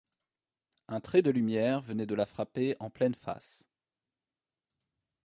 Un trait de lumière venait de la frapper en pleine face.